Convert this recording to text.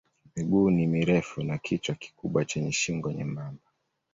Miguu ni mirefu na kichwa kikubwa chenye shingo nyembamba.